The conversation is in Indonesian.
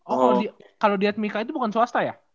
oh kalau diatmika itu bukan swasta ya